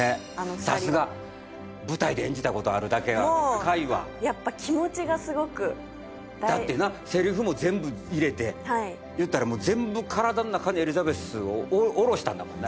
さすが舞台で演じたことあるだけある深いわやっぱ気持ちがすごくだってなセリフも全部入れて言うたら全部体の中にエリザベスを降ろしたんだもんね